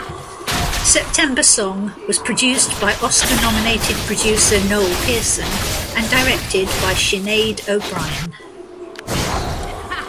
"September Song" was produced by Oscar-nominated producer Noel Pearson and directed by Sinead O'Brien.